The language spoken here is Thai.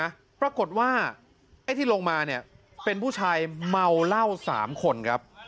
ปรากฏว่าไอ้ที่ลงมาเนี่ยเป็นผู้ชายเมาเหล้าสามคนครับ